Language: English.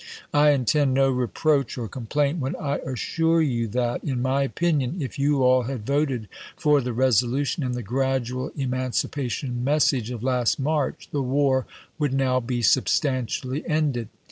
I intend no reproach or complaint when I assure you that, in my opinion, if you all had voted for the resolution in the gradual eman cipation message of last March, the war would now be substantially ended.